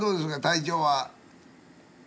体調は？